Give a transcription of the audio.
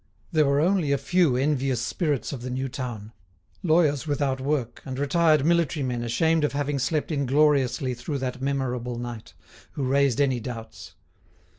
There were only a few envious spirits of the new town, lawyers without work and retired military men ashamed of having slept ingloriously through that memorable night, who raised any doubts.